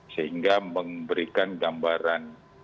sehingga memberikan gambaran vaksin juga